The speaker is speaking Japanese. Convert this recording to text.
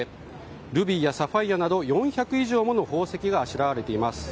ルビーやサファイアなど４００以上もの宝石があしらわれています。